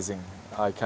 sangat luar biasa